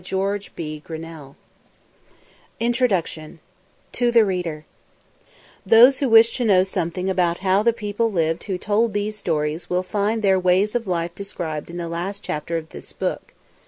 1915 [Illustration: Cold Maker] TO THE READER Those who wish to know something about how the people lived who told these stories will find their ways of life described in the last chapter of this book.